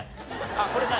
あっこれ何？